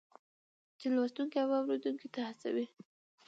چې لوستونکی او اورېدونکی دې ته هڅوي